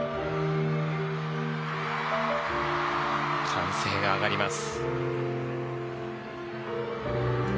歓声が上がります。